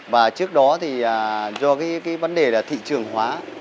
và trước đó thì do cái vấn đề là thị trường hóa